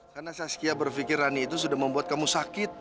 karena saskia berpikir rani itu sudah membuat kamu sakit